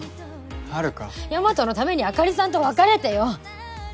遥大和のためにあかりさんと別れてよ